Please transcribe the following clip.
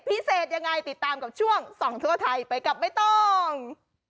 พิเศษยังไงติดตามกับช่วงส่องทั่วไทยไปกับไม่ต้อง